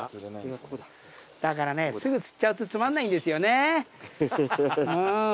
だからねすぐ釣っちゃうとつまんないんですよね。